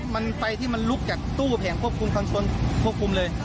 มันไฟที่มันลุกจากตู้แผงควบคุมความชนควบคุมเลย